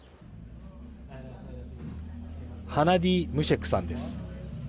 ハナディ・ムシェクさんです。